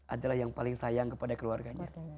adalah yang paling sayang kepada keluarganya